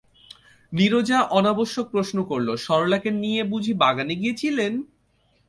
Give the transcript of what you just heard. নীরজা অনাবশ্যক প্রশ্ন করল, সরলাকে নিয়ে বুঝি বাগানে গিয়েছিলেন?